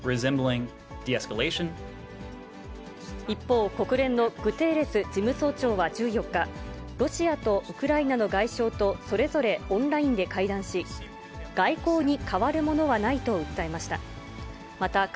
一方、国連のグテーレス事務総長は１４日、ロシアとウクライナの外相とそれぞれオンラインで会談し、外交に代わるものはないと訴えました。